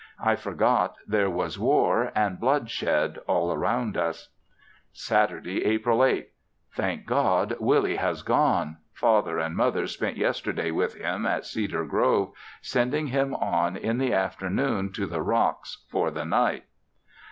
I forgot there was war and bloodshed all around us. Saturday, April 8. Thank, God, Willie has gone! Father and Mother spent yesterday with him at Cedar Grove, sending him on in the afternoon to The Rocks for the night.